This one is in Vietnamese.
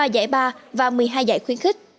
ba giải ba và một mươi hai giải khuyến khích